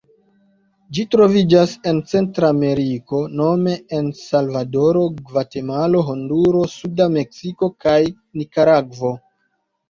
Ĝi troviĝas en Centrameriko nome en Salvadoro, Gvatemalo, Honduro, suda Meksiko kaj Nikaragvo.